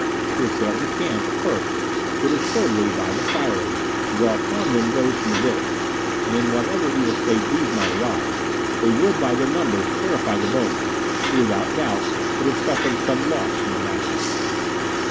To assail the camp first would assuredly, by the firing, draw upon them those from the village, and in whatever evil state these might arrive, they would, by their numbers, terrify the bowmen, who without doubt would have suffered some loss from the matchlocks.